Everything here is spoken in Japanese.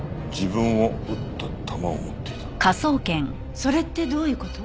それってどういう事？